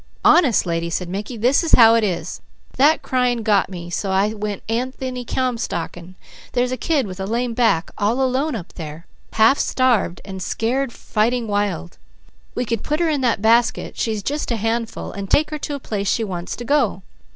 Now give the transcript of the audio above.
"Honest, lady!" said Mickey. "This is how it is: that crying got me so I went Anthony Comstockin'. There's a kid with a lame back all alone up there, half starved and scared fighting wild. We could put her in that basket, she's just a handful, and take her to a place she wants to go.